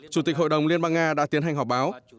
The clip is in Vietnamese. chủ tịch hội đồng liên bang nga đã tiến hành họp báo